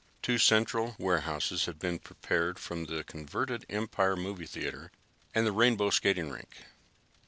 Two central warehouses had been prepared from the converted Empire Movie Theater, and the Rainbow Skating Rink.